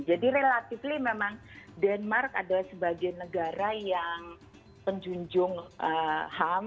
jadi relatif memang denmark adalah sebagai negara yang penjunjung ham